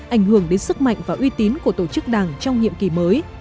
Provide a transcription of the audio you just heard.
ảnh hưởng đến sức mạnh và uy tín của tổ chức đảng trong nhiệm kỳ mới